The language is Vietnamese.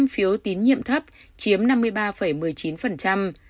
hai mươi năm phiếu tín nhiệm thấp chiếm năm mươi ba một mươi chín